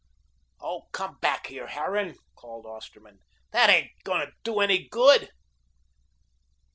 "Oh, come back here, Harran," called Osterman. "That ain't going to do any good."